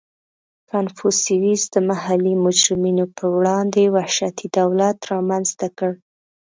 • کنفوسیوس د محلي مجرمینو په وړاندې وحشتي دولت رامنځته کړ.